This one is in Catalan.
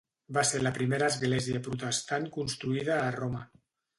Va ser la primera església protestant construïda a Roma.